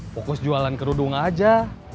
fokus jualan kerudung aja